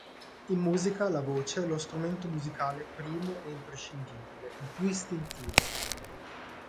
In musica la voce è lo "strumento musicale" primo e imprescindibile, il più istintivo.